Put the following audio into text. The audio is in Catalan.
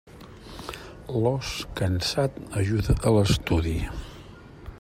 L'os cansat ajuda a l'estudi.